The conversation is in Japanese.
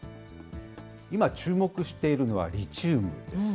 今、注目しているのはリチウムです。